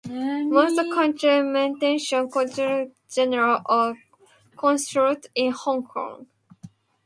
Most countries maintain Consulates-General or Consulates in Hong Kong.